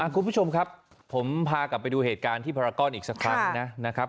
คุณผู้ชมครับผมพากลับไปดูเหตุการณ์ที่พารากรอีกสักครั้งนะครับ